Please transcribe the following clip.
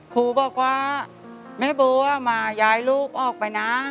ครูบอกว่าแม่บัวมาย้ายลูกออกไปนะ